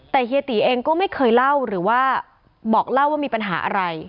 แต่เฮียตีเองก็ไม่เคยเล่าหรือว่าบอกเล่าว่ามีปัญหาอะไร